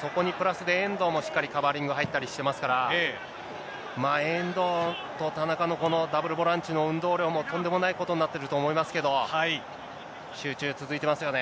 そこにプラスで、遠藤もしっかりカバーリング入ったりしてますから、遠藤と田中のこのダブルボランチの運動量もとんでもないことになってると思いますけど、集中続いてますよね。